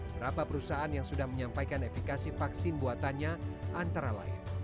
berapa perusahaan yang sudah menyampaikan efekasi vaksin buatannya antara lain